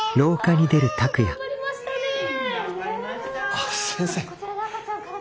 あっ先生。